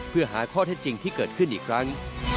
เพื่อหาข้อเท็จจริงที่เกิดขึ้นอีกครั้ง